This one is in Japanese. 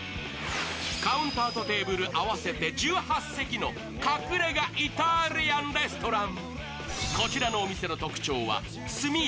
カウンターとテーブル合わせて１８席の隠れ家イタリアンレストラン。